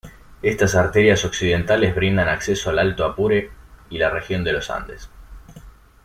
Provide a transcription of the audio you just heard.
Estas arterias occidentales brindan acceso al Alto Apure y la Región de los Andes.